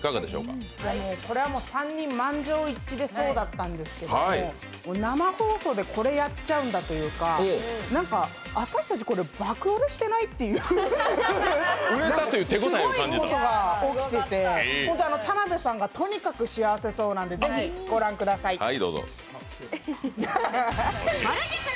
これは３人満場一致でそうだったんですけど生放送でこれやっちゃうんだというか、あたしたち、爆売れしてない？という、すごいことが起きてて田辺さんがとにかく幸せなそうなんで、ぜひ御覧くだい。